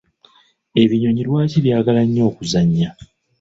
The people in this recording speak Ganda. Ebinyonyi lwaki byagala nnyo okuzannya?